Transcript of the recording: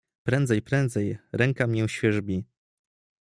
"Prędzej, prędzej, ręka mię świerzbi."